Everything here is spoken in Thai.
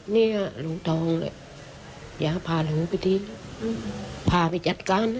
เนี่ยหลูทองเลยย่าพาไปที่พาไปจัดการ